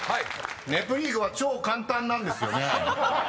［『ネプリーグ』は超簡単なんですよね？］